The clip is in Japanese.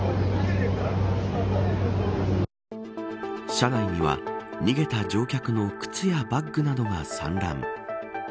車内には逃げた乗客の靴やバッグなどが散乱。